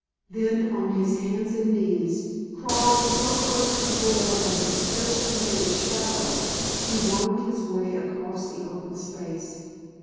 Then on his hands and knees, crawling so close to the ground that he scarcely made a shadow, he wormed his way across the open space.